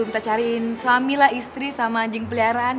minta cariin suamilah istri sama anjing peliharaan